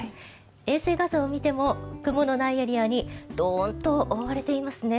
衛星画像を見ても雲のないエリアにどーんと覆われていますね。